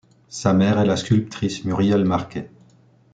Sa mère est la sculptrice Muriel Marquet.